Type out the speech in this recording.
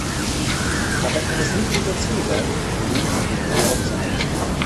Dabei kann es nicht unser Ziel sein, technologische Entwicklungen aufzuhalten.